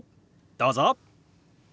どうぞ。